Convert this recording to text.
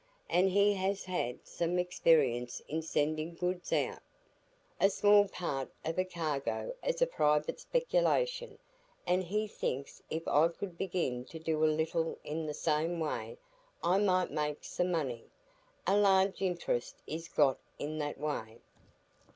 And he has had some experience in sending goods out,—a small part of a cargo as a private speculation; and he thinks if I could begin to do a little in the same way, I might make some money. A large interest is got in that way."